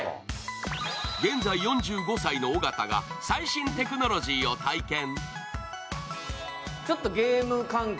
現在４５歳の尾形が最新テクノロジーを体験。